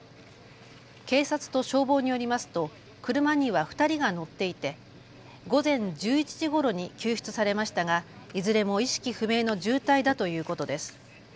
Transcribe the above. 警察と消防によりますと車には２人が乗っていて午前１１時ごろに救出されましたがいずれも意識不明の重体だということです。